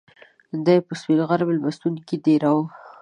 دای په سپین غر میلمستون کې دېره و.